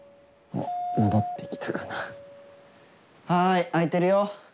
はい開いてるよ。